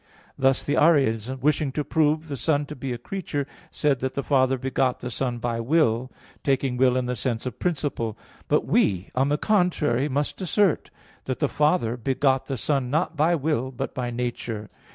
Thus, the Arians, wishing to prove the Son to be a creature, said that the Father begot the Son by will, taking will in the sense of principle. But we, on the contrary, must assert that the Father begot the Son, not by will, but by nature.